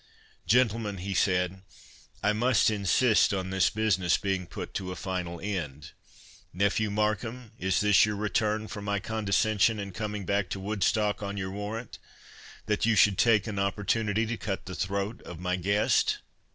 "Gentlemen," he said, "I must insist on this business being put to a final end. Nephew Markham, is this your return for my condescension in coming back to Woodstock on your warrant, that you should take an opportunity to cut the throat of my guest?"